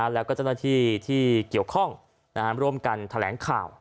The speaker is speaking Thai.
แล้วก็เจ้าหน้าที่ที่เกี่ยวข้องร่วมกันแถลงข่าว